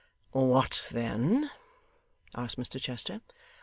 'What then?' asked Mr Chester.